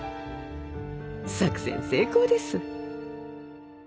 作戦成功です。